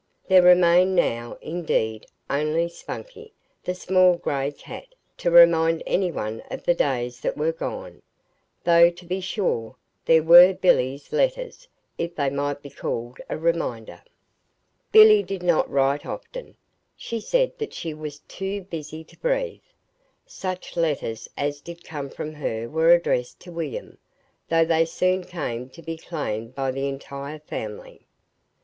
There remained now, indeed, only Spunkie, the small gray cat, to remind any one of the days that were gone though, to be sure, there were Billy's letters, if they might be called a reminder. Billy did not write often. She said that she was "too busy to breathe." Such letters as did come from her were addressed to William, though they soon came to be claimed by the entire family.